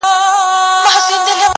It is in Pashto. بې ما دي شل نه کړه.